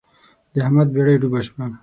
د احمد بېړۍ ډوبه شوه.